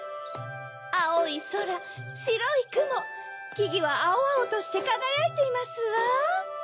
あおいそらしろいくもきぎはあおあおとしてかがやいていますわ。